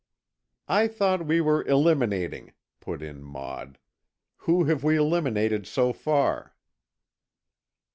"I thought we were eliminating," put in Maud. "Who have we eliminated so far?"